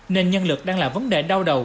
nên nhân lực đang là vấn đề đau đầu